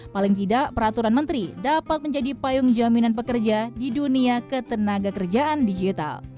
paling tidak peraturan menteri dapat menjadi payung jaminan pekerja di dunia ketenaga kerjaan digital